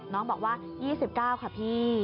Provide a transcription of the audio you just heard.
น้องบอกว่า๒๙ค่ะพี่